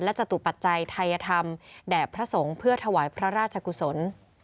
จตุปัจจัยไทยธรรมแด่พระสงฆ์เพื่อถวายพระราชกุศล